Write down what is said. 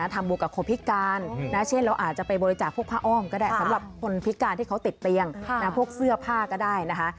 บวกกับคนพิการเช่นเราอาจจะไปบริจาคพวกผ้าอ้อมก็ได้สำหรับคนพิการที่เขาติดเตียงพวกเสื้อผ้าก็ได้นะคะ